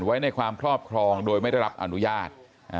ไว้ในความครอบครองโดยไม่ได้รับอนุญาต